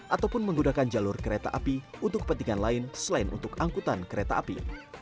ataupun menggunakan jalur kereta api untuk kepentingan lain selain untuk angkutan kereta api